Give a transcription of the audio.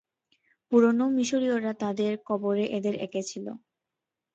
পুরনো মিশরীয়রা তাদের কবরে এদের একেছিল।